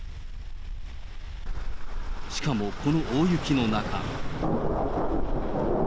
しかもこの大雪の中。